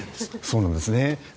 そうなんですね。